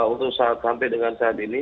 untuk sampai dengan saat ini